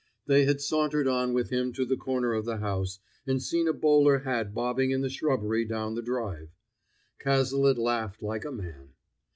They had sauntered on with him to the corner of the house, and seen a bowler hat bobbing in the shrubbery down the drive. Cazalet laughed like a man.